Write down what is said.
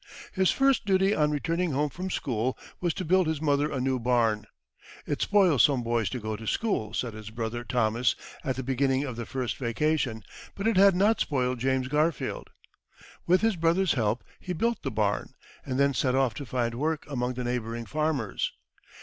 His first duty on returning home from school was to build his mother a new barn. "It spoils some boys to go to school," said his brother Thomas at the beginning of the first vacation, but it had not spoiled James Garfield. With his brother's help, he built the barn, and then set off to find work among the neighbouring farmers.